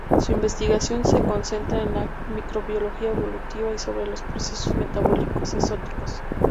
Su investigación se concentra en la microbiología evolutiva y sobre los procesos metabólicos exóticos.